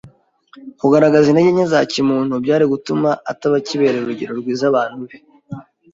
kugaragaza intege nke za kimuntu byari gutuma ataba akibereye urugero rwiza abantu be